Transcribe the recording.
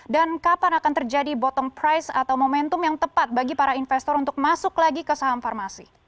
kapan akan terjadi bottom price atau momentum yang tepat bagi para investor untuk masuk lagi ke saham farmasi